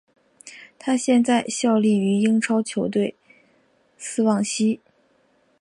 他现在效力于英超球队斯旺西。